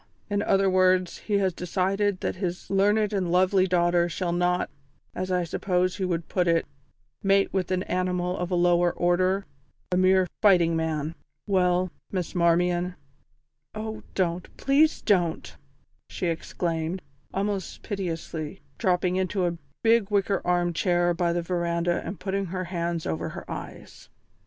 In other words, he has decided that his learned and lovely daughter shall not, as I suppose he would put it, mate with an animal of a lower order a mere fighting man. Well, Miss Marmion " "Oh, don't; please don't!" she exclaimed, almost piteously, dropping into a big wicker armchair by the verandah and putting her hands over her eyes.